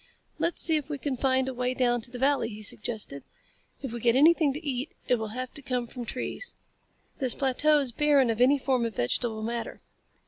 "Let's see if we can find a way down to the valley," he suggested. "If we get anything to eat it will have to come from trees. This plateau is barren of any form of vegetable matter."